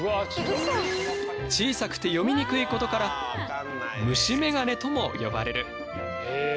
小さくて読みにくいことから虫メガネとも呼ばれる。